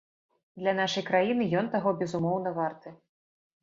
Для нашай краіны ён таго, безумоўна, варты.